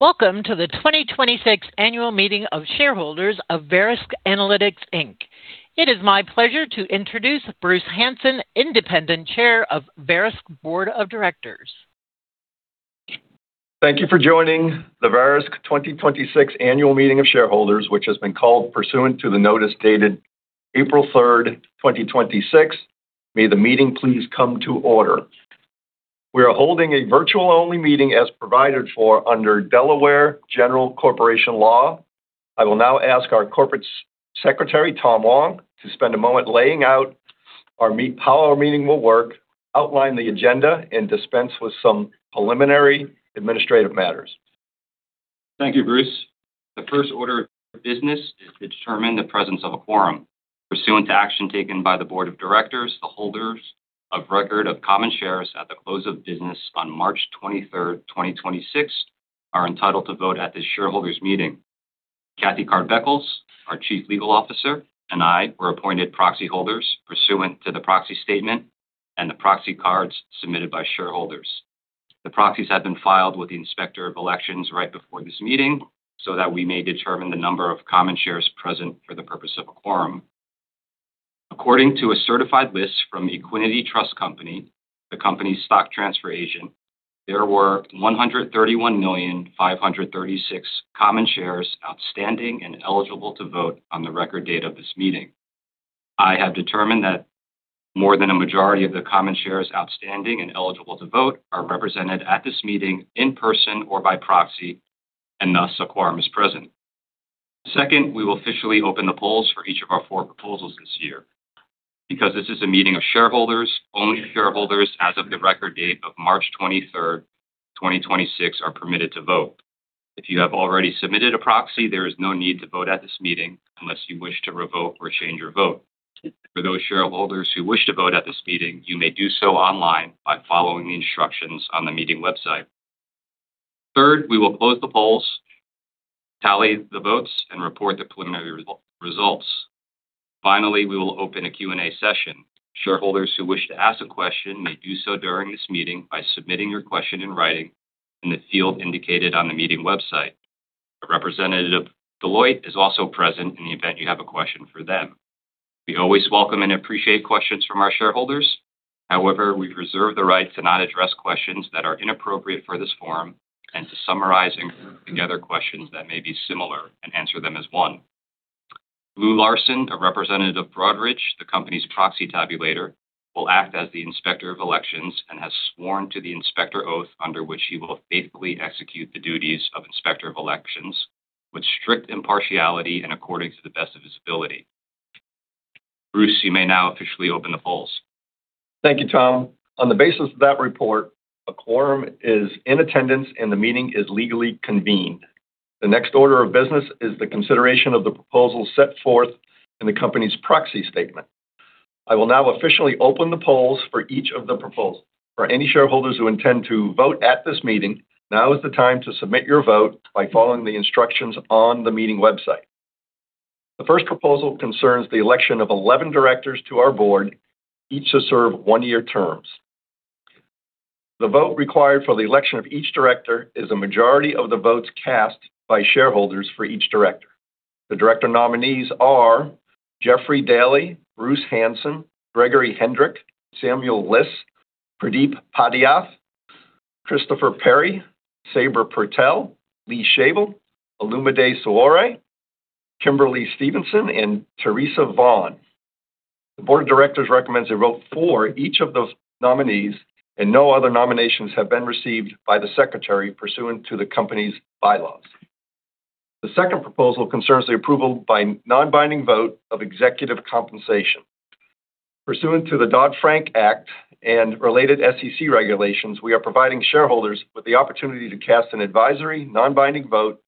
Welcome to the 2026 annual meeting of shareholders of Verisk Analytics, Inc. It is my pleasure to introduce Bruce Hansen, Independent Chair of Verisk Board of Directors. Thank you for joining the Verisk 2026 annual meeting of shareholders, which has been called pursuant to the notice dated April 3rd, 2026. May the meeting please come to order. We are holding a virtual-only meeting as provided for under Delaware General Corporation Law. I will now ask our Corporate Secretary, Tom Wong, to spend a moment laying out how our meeting will work, outline the agenda, and dispense with some preliminary administrative matters. Thank you, Bruce. The first order of business is to determine the presence of a quorum. Pursuant to action taken by the board of directors, the holders of record of common shares at the close of business on March 23rd, 2026 are entitled to vote at this shareholders meeting. Kathlyn Card Beckles, our chief legal officer, and I were appointed proxy holders pursuant to the proxy statement and the proxy cards submitted by shareholders. The proxies have been filed with the Inspector of Elections right before this meeting so that we may determine the number of common shares present for the purpose of a quorum. According to a certified list from Equiniti Trust Company, the company's stock transfer agent, there were 131,536,000 common shares outstanding and eligible to vote on the record date of this meeting. I have determined that more than a majority of the common shares outstanding and eligible to vote are represented at this meeting in person or by proxy, and thus a quorum is present. Second, we will officially open the polls for each of our four proposals this year. Because this is a meeting of shareholders, only shareholders as of the record date of March 23rd, 2026 are permitted to vote. If you have already submitted a proxy, there is no need to vote at this meeting unless you wish to revoke or change your vote. For those shareholders who wish to vote at this meeting, you may do so online by following the instructions on the meeting website. Third, we will close the polls, tally the votes, and report the preliminary results. Finally, we will open a Q&A session. Shareholders who wish to ask a question may do so during this meeting by submitting your question in writing in the field indicated on the meeting website. A representative of Deloitte is also present in the event you have a question for them. We always welcome and appreciate questions from our shareholders. However, we reserve the right to not address questions that are inappropriate for this forum and to summarizing together questions that may be similar and answer them as one. Lou Larson, a representative of Broadridge, the company's proxy tabulator, will act as the Inspector of Elections and has sworn to the inspector oath under which he will faithfully execute the duties of Inspector of Elections with strict impartiality and according to the best of his ability. Bruce, you may now officially open the polls. Thank you, Tom. On the basis of that report, a quorum is in attendance, and the meeting is legally convened. The next order of business is the consideration of the proposal set forth in the company's proxy statement. I will now officially open the polls for each of the proposals. For any shareholders who intend to vote at this meeting, now is the time to submit your vote by following the instructions on the meeting website. The first proposal concerns the election of 11 directors to our board, each to serve one-year terms. The vote required for the election of each director is a majority of the votes cast by shareholders for each director. The director nominees are Jeffrey Dailey, Bruce Hansen, Gregory Hendrick, Samuel Liss, Pradip Patiath, Christopher Perry, Sabra Purtill, Lee Shavel, Olumide Soroye, Kimberly Stevenson, and Therese Vaughan. The board of directors recommends a vote for each of those nominees, and no other nominations have been received by the Secretary pursuant to the company's bylaws. The second proposal concerns the approval by non-binding vote of executive compensation. Pursuant to the Dodd-Frank Act and related SEC regulations, we are providing shareholders with the opportunity to cast an advisory, non-binding vote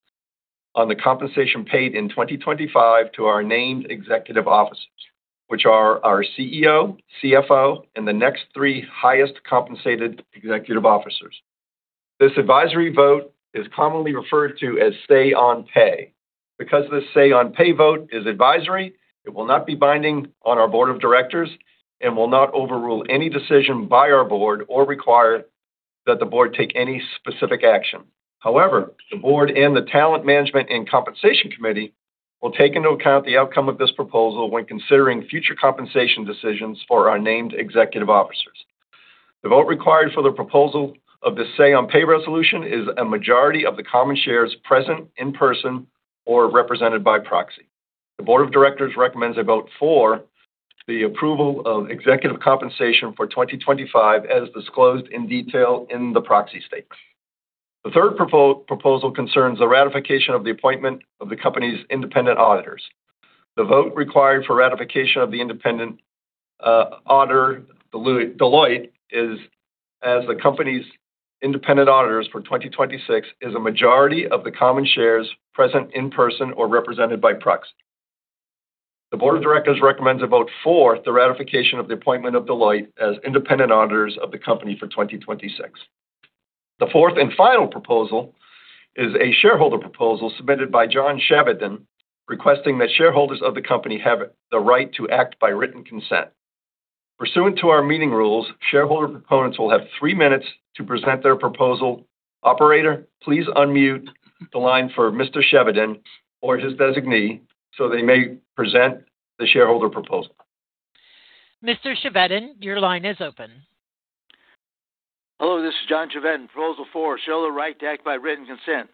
on the compensation paid in 2025 to our named executive officers, which are our CEO, CFO, and the next three highest compensated executive officers. This advisory vote is commonly referred to as say-on-pay. Because this say-on-pay vote is advisory, it will not be binding on our board of directors and will not overrule any decision by our board or require that the board take any specific action. However, the board and the talent management and compensation committee will take into account the outcome of this proposal when considering future compensation decisions for our named executive officers. The vote required for the proposal of the say-on-pay resolution is a majority of the common shares present in person or represented by proxy. The board of directors recommends a vote for the approval of executive compensation for 2025 as disclosed in detail in the proxy states. The third proposal concerns the ratification of the appointment of the company's independent auditors. The vote required for ratification of the independent auditor, Deloitte, is as the company's independent auditors for 2026, is a majority of the common shares present in person or represented by proxy. The board of directors recommends a vote for the ratification of the appointment of Deloitte as independent auditors of the company for 2026. The fourth and final proposal is a shareholder proposal submitted by John Chevedden, requesting that shareholders of the company have the right to act by written consent. Pursuant to our meeting rules, shareholder proponents will have three minutes to present their proposal. Operator, please unmute the line for Mr. Chevedden or his designee so they may present the shareholder proposal. Mr. Chevedden, your line is open. Hello, this is John Chevedden, Proposal 4, shareholder right to act by written consent.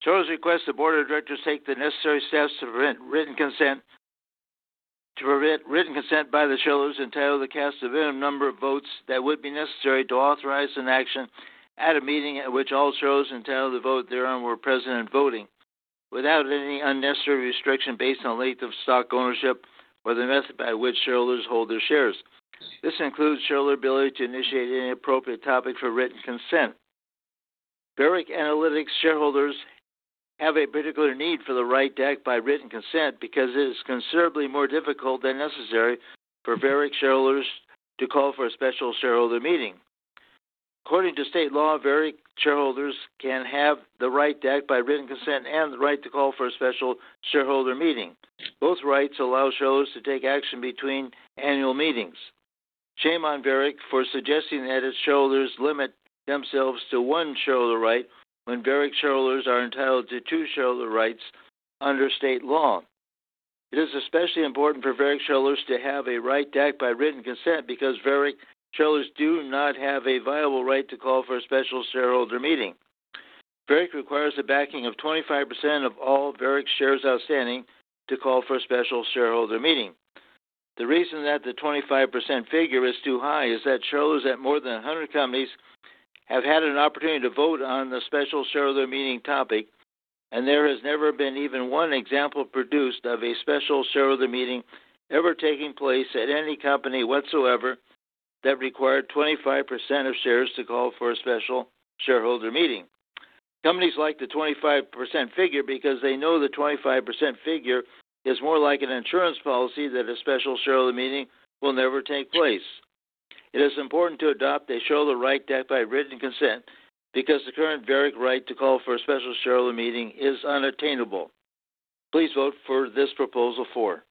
Shareholders request the board of directors take the necessary steps to prevent written consent by the shareholders entitled to cast a minimum number of votes that would be necessary to authorize an action at a meeting at which all shareholders entitled to vote thereon were present and voting without any unnecessary restriction based on length of stock ownership or the method by which shareholders hold their shares. This includes shareholder ability to initiate any appropriate topic for written consent. Verisk Analytics shareholders have a particular need for the right to act by written consent because it is considerably more difficult than necessary for Verisk shareholders to call for a special shareholder meeting. According to state law, Verisk shareholders can have the right to act by written consent and the right to call for a special shareholder meeting. Both rights allow shareholders to take action between annual meetings. Shame on Verisk for suggesting that its shareholders limit themselves to one shareholder right when Verisk shareholders are entitled to two shareholder rights under state law. It is especially important for Verisk shareholders to have a right to act by written consent because Verisk shareholders do not have a viable right to call for a special shareholder meeting. Verisk requires the backing of 25% of all Verisk shares outstanding to call for a special shareholder meeting. The reason that the 25% figure is too high is that shareholders at more than 100 companies have had an opportunity to vote on the special shareholder meeting topic, and there has never been even one example produced of a special shareholder meeting ever taking place at any company whatsoever that required 25% of shares to call for a special shareholder meeting. Companies like the 25% figure because they know the 25% figure is more like an insurance policy that a special shareholder meeting will never take place. It is important to adopt a shareholder right to act by written consent because the current Verisk right to call for a special shareholder meeting is unattainable. Please vote for this Proposal 4.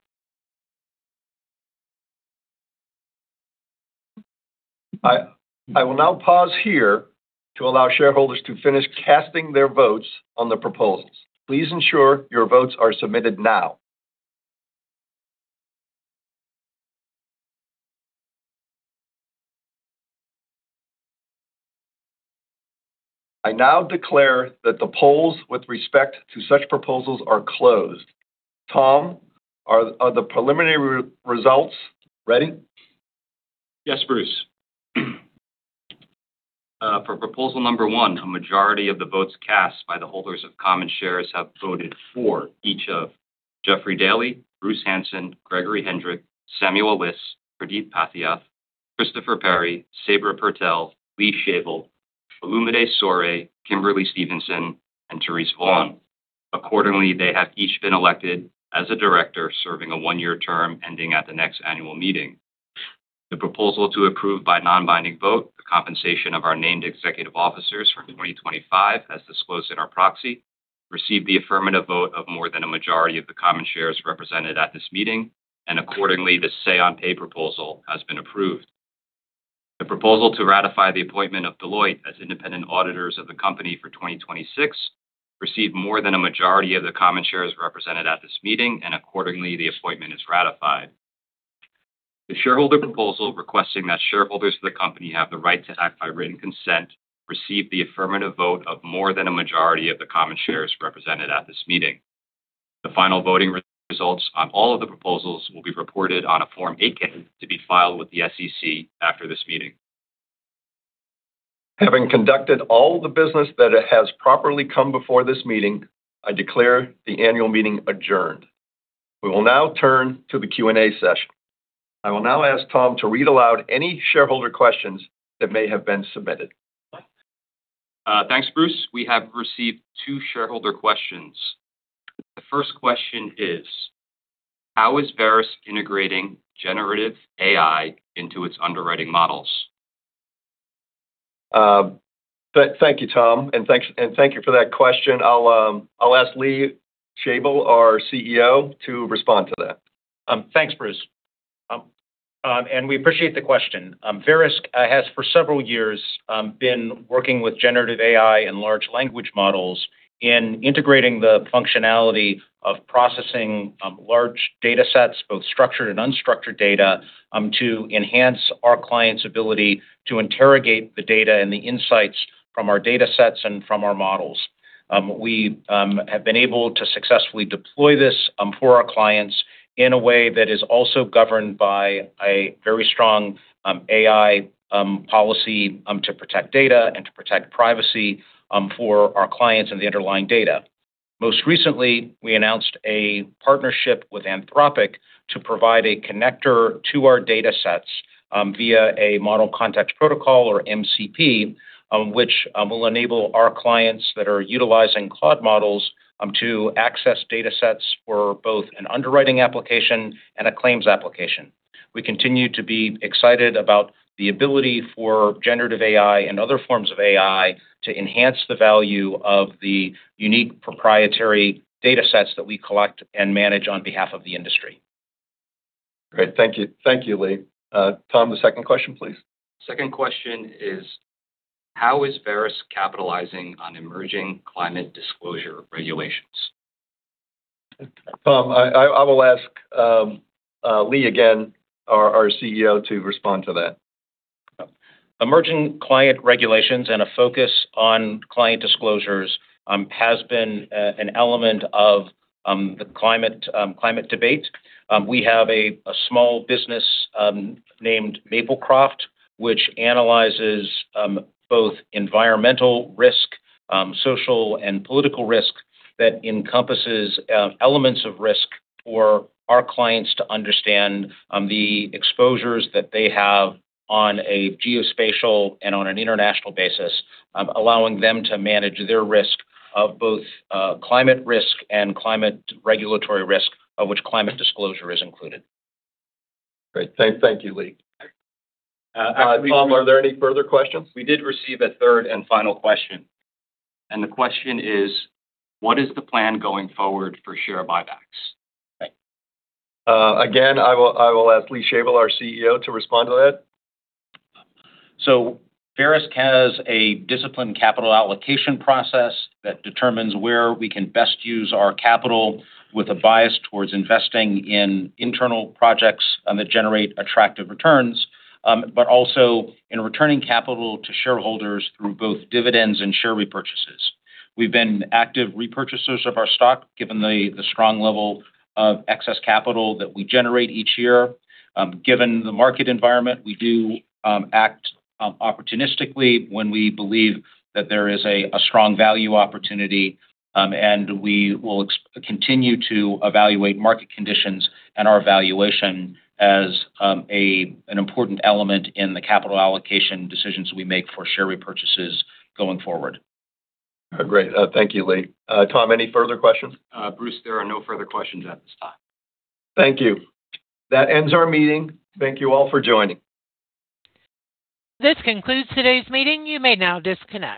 I will now pause here to allow shareholders to finish casting their votes on the proposals. Please ensure your votes are submitted now. I now declare that the polls with respect to such proposals are closed. Tom, are the preliminary results ready? Yes, Bruce. For proposal number 1, a majority of the votes cast by the holders of common shares have voted for each of Jeffrey Dailey, Bruce Hansen, Gregory Hendrick, Samuel Liss, Pradip Patiath, Christopher Perry, Sabra Purtill, Lee Shavel, Olumide Soroye, Kimberly Stevenson, and Therese Vaughan. Accordingly, they have each been elected as a director serving a one-year term ending at the next annual meeting. The proposal to approve by non-binding vote the compensation of our named executive officers for 2025, as disclosed in our proxy, received the affirmative vote of more than a majority of the common shares represented at this meeting. Accordingly, the say-on-pay proposal has been approved. The proposal to ratify the appointment of Deloitte as independent auditors of the company for 2026 received more than a majority of the common shares represented at this meeting, and accordingly, the appointment is ratified. The shareholder proposal requesting that shareholders of the company have the right to act by written consent received the affirmative vote of more than a majority of the common shares represented at this meeting. The final voting results on all of the proposals will be reported on a Form 8-K to be filed with the SEC after this meeting. Having conducted all the business that has properly come before this meeting, I declare the annual meeting adjourned. We will now turn to the Q&A session. I will now ask Tom to read aloud any shareholder questions that may have been submitted. Thanks, Bruce. We have received two shareholder questions. The first question is: How is Verisk integrating generative AI into its underwriting models? Thank you, Tom, and thank you for that question. I'll ask Lee Shavel, our CEO, to respond to that. Thanks, Bruce. We appreciate the question. Verisk has for several years been working with generative AI and large language models in integrating the functionality of processing large data sets, both structured and unstructured data, to enhance our clients' ability to interrogate the data and the insights from our data sets and from our models. We have been able to successfully deploy this for our clients in a way that is also governed by a very strong AI policy to protect data and to protect privacy for our clients and the underlying data. Most recently, we announced a partnership with Anthropic to provide a connector to our data sets via a Model Context Protocol or MCP, which will enable our clients that are utilizing Claude models to access data sets for both an underwriting application and a claims application. We continue to be excited about the ability for generative AI and other forms of AI to enhance the value of the unique proprietary data sets that we collect and manage on behalf of the industry. Great. Thank you. Thank you, Lee. Tom, the second question, please. Second question is: how is Verisk capitalizing on emerging climate disclosure regulations? Tom, I will ask Lee again, our CEO to respond to that. Emerging client regulations and a focus on client disclosures has been an element of the climate climate debate. We have a small business named Maplecroft, which analyzes both environmental risk, social and political risk that encompasses elements of risk for our clients to understand the exposures that they have on a geospatial and on an international basis, allowing them to manage their risk of both climate risk and climate regulatory risk, of which climate disclosure is included. Great. Thank you, Lee. Tom, are there any further questions? We did receive a third and final question. The question is: what is the plan going forward for share buybacks? Again, I will ask Lee Shavel, our CEO, to respond to that. Verisk has a disciplined capital allocation process that determines where we can best use our capital with a bias towards investing in internal projects that generate attractive returns. Also in returning capital to shareholders through both dividends and share repurchases. We've been active repurchasers of our stock, given the strong level of excess capital that we generate each year. Given the market environment, we do act opportunistically when we believe that there is a strong value opportunity. We will continue to evaluate market conditions and our valuation as an important element in the capital allocation decisions we make for share repurchases going forward. Great. Thank you, Lee. Tom, any further questions? Bruce, there are no further questions at this time. Thank you. That ends our meeting. Thank you all for joining. This concludes today's meeting. You may now disconnect.